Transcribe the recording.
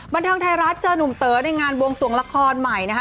บันเทิงไทยรัฐเจอนุ่มเต๋อในงานบวงสวงละครใหม่นะคะ